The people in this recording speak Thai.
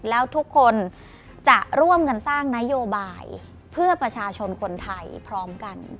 แล้วทุกคนจะร่วมกันสร้างนโยบายเพื่อประชาชนคนไทยพร้อมกัน